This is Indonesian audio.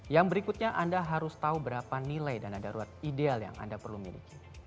yang berikutnya anda harus tahu berapa nilai dana darurat ideal yang anda perlu miliki